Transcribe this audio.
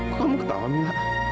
kamu ketawa gak